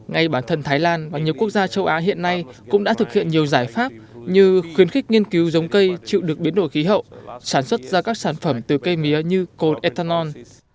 ngay bản thân thái lan và nhiều quốc gia châu á hiện nay cũng đã thực hiện nhiều giải pháp như khuyến khích nghiên cứu giống cây chịu được biến đổi khí hậu sản xuất ra các sản phẩm từ cây mía như code ethanol